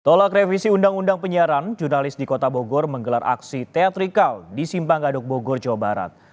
tolak revisi undang undang penyiaran jurnalis di kota bogor menggelar aksi teatrikal di simpang gadok bogor jawa barat